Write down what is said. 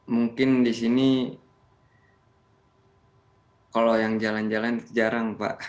mungkin di sini kalau yang jalan jalan jarang pak